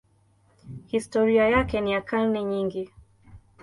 Historia yake ni ya karne nyingi.